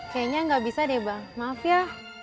kayaknya nggak bisa deh bang maaf ya